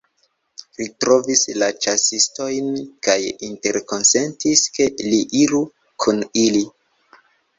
Li trovis la ĉasistojn kaj interkonsentis ke li iru kun ili.